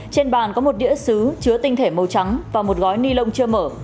trên bàn có một đĩa xứ chứa tinh thể màu trắng và một gói ni lông chưa mở